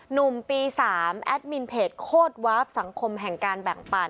หนุ่มปี๓แอดมินเพจโคตรวาฟสังคมแห่งการแบ่งปัน